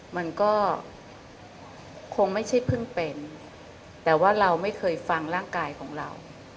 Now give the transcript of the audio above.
มันก็คงไม่ใช่เพิ่งเป็นแต่ว่าเราไม่เคยฟังร่างกายของเรา